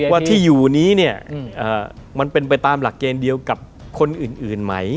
ว่าที่อยู่นี้เนี่ยมันเป็นไปตามหลักเกณฑ์เดียวกับคนอื่นไหม